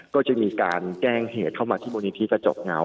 ก็จะมีการแจ้งเหตุเข้ามาที่บริเวณที่กระจกเงา